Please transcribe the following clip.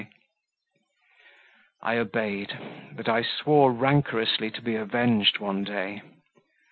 I obeyed, but I swore rancorously to be avenged one day.